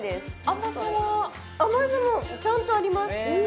甘さは甘さもちゃんとあります